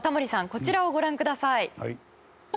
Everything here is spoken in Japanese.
こちらをご覧ください。